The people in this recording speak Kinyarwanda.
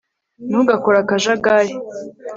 ntugakore akajagari